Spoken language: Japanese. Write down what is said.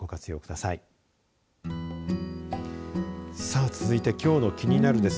さあ、続いてきょうのキニナル！です